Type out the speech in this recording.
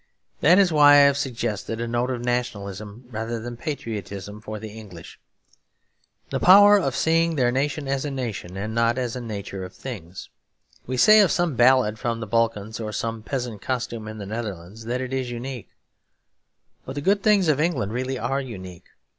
That is why I have suggested a note of nationalism rather than patriotism for the English; the power of seeing their nation as a nation and not as the nature of things. We say of some ballad from the Balkans or some peasant costume in the Netherlands that it is unique; but the good things of England really are unique.